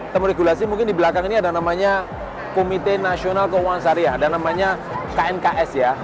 temu regulasi mungkin di belakang ini ada namanya komite nasional keuangan syariah dan namanya knks ya